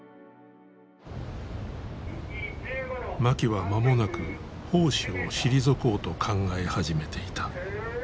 槇は間もなく砲手を退こうと考え始めていた。